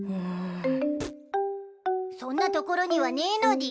そんな所にはねいのでぃす。